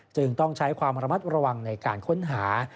จึงต้องใช้ความระมัดระวังในการค้นหา